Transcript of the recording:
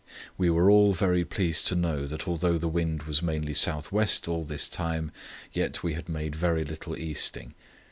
We were all very pleased to know that although the wind was mainly south west all this time, yet we had made very little easting.